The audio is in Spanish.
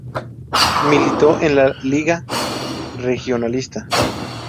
Militó en la Lliga Regionalista.